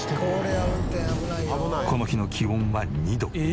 この日の気温は２度。